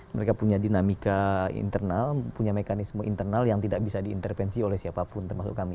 mereka punya dinamika internal punya mekanisme internal yang tidak bisa diintervensi oleh siapapun termasuk kami